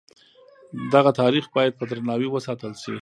دغه تاریخ باید په درناوي وساتل شي.